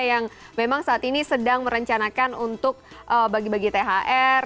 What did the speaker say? yang memang saat ini sedang merencanakan untuk bagi bagi thr